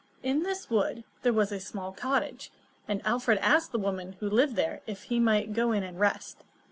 In this wood, there was a small cottage, and Alfred asked the woman who lived there if he might go in and rest.